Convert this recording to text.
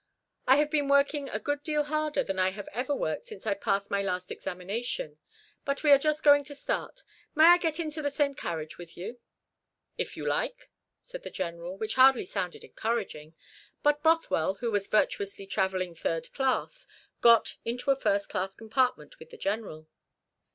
"I have been working a good deal harder than I have ever worked since I passed my last examination. But we are just going to start. May I get into the same carriage with you?" "If you like," said the General, which hardly sounded encouraging; but Bothwell, who was virtuously travelling third class, got into a first class compartment with the General.